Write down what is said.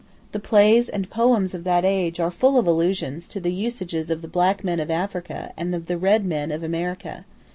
The plays and poems of that age are full of allusions to the usages of the black men of Africa and of the red men of America.